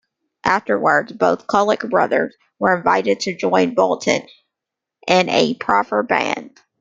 Afterwards both Kulick brothers were invited to join Bolotin in a proper band.